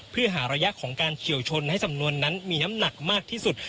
เพื่อหาระยะของการเฉียวชนให้สำนวนนั้นมีน้ำหนักมากที่สุด